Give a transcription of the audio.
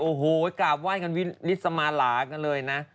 โอ้โหไปกราบว่ายกันวินิสมาหลากันเลยนะ